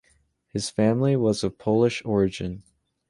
His family was of Polish origin.